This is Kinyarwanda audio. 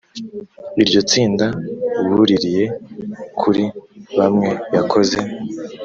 iryo tsinda buririye kuri bamwe yakoze